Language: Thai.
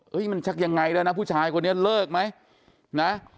มันชักยังไงแล้วนะผู้ชายคนนี้เลิกไหมนะ